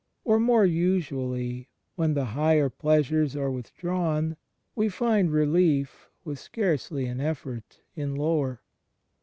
Or, more usually, when the higher pleasiires are with drawn, we find reUef , with scarcely an effort, in lower.